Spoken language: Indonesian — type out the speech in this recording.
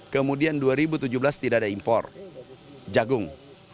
kemudian dua ribu tujuh belas tidak ada impor jagung